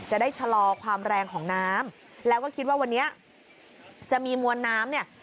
จะได้ชะลอความแรงของน้ำแล้วก็คิดว่าวันนี้จะมีมวลน้ำเนี่ย